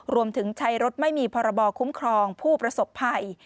รวมถึงใช้รถไม่มีพรบคุ้มครองผู้ประสบภัย